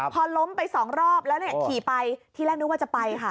พอล้มไปสองรอบแล้วเนี่ยขี่ไปที่แรกนึกว่าจะไปค่ะ